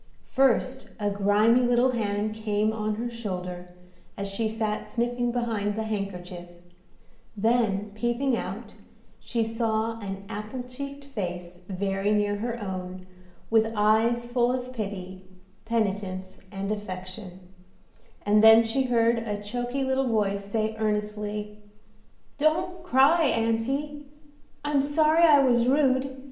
First a grimy little hand came on her shoulder, as she sat sniffing behind the handkerchief; then, peeping out, she saw an apple cheeked face very near her own, with eyes full of pity, penitence, and affection; and then she heard a choky little voice say earnestly, "Don't cry, aunty; I'm sorry I was rude.